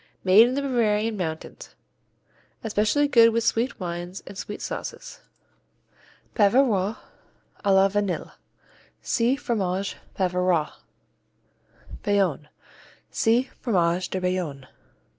Made in the Bavarian mountains. Especially good with sweet wines and sweet sauces. Bavarois à la Vanille see Fromage Bavarois. Bayonne see Fromage de Bayonne.